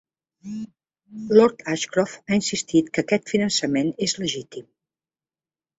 Lord Ashcroft ha insistit que aquest finançament és legítim.